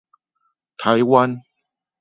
台灣